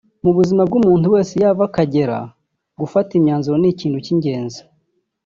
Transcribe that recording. Mu buzima bw’umuntu wese iyo ava akagera gufata imyanzuro ni ikintu cy’ingenzi